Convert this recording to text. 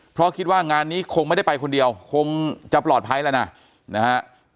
เพราะคิดว่างานนี้คงไม่ได้ไปคนเดียวคงจะปลอดภัยแล้วนะนะฮะ